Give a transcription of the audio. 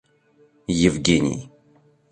Евгений